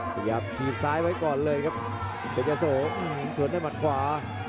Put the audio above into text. พยายามหยิบซ้ายไว้ก่อนเลยครับเพชรเจ้าโสสวนให้มันขวา